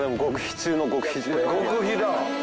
・極秘だ。